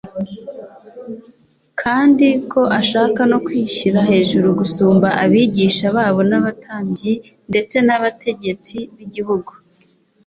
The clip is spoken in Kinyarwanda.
kandi ko ashaka no kwishyira hejuru gusumba abigisha babo n'abatambyi ndetse n'abategetsi b'igihugu